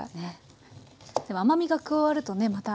でも甘みが加わるとねまた。